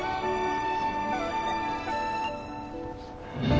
うん。